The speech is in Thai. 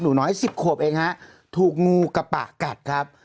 หนูน้อย๑๐ขวบเองฮะถูกงูกระปะกัดครับ